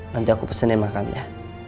nanti aku pesennya makan ya